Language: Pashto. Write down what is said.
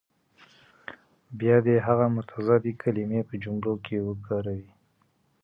بیا دې هغه متضادې کلمې په جملو کې وکاروي.